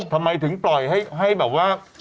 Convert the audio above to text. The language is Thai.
ทำไมถึงปล่อยให้แบบว่า